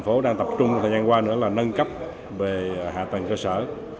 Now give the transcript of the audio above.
tp hcm đang tập trung trong thời gian qua nữa là nâng cấp về hạ tầng cơ sở